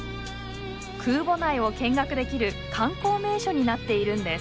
空母内を見学できる観光名所になっているんです。